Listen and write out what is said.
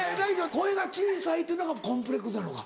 声が小さいっていうのがコンプレックスなのか。